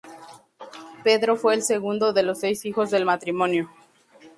Pedro fue el segundo de los seis hijos del matrimonio.